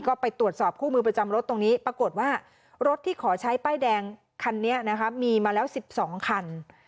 ก็ไปตรวจสอบคู่มือประจำรถตรงนี้ปรากฏว่ารถที่ขอใช้ป้ายแดงคันนี้นะคะมีมาแล้ว๑๒คัน